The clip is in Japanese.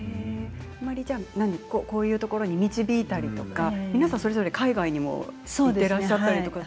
あまり、こういうところに導いたりとか皆さんそれぞれ海外にも行っていらっしゃったりとか